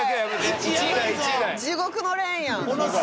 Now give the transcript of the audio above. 地獄のレーンやん。